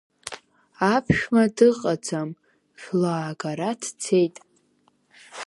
Аԥшәма дыҟаӡам, жәлаагара дцеит…